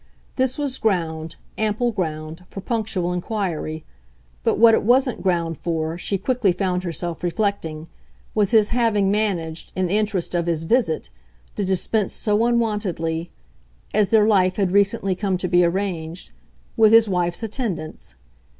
This was ground, ample ground, for punctual inquiry; but what it wasn't ground for, she quickly found herself reflecting, was his having managed, in the interest of his visit, to dispense so unwontedly as their life had recently come to be arranged with his wife's attendance.